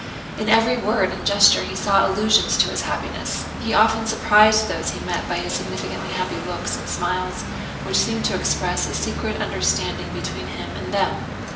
In every word and gesture he saw allusions to his happiness. He often surprised those he met by his significantly happy looks and smiles which seemed to express a secret understanding between him and them.